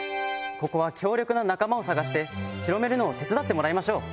ここは強力な仲間を探して広めるのを手伝ってもらいましょう。